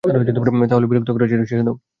তাহলে বিরক্ত করা ছেড়ে দাও।